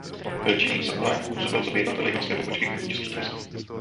Byl činný i v Sokole a působil coby jednatel jihlavské pobočky Klubu českých turistů.